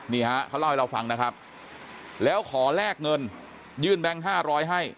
นี่ฮะเขาเล่าให้เราฟังนะครับแล้วขอแลกเงินยื่นแบงค์๕๐๐ให้